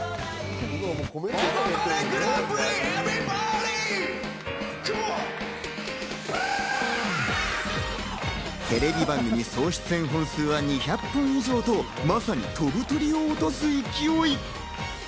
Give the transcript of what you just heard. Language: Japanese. ものまねグランプリ、Ｅｖｅテレビ番組総出演本数は２００本以上とまさに飛ぶ鳥を落とす勢い。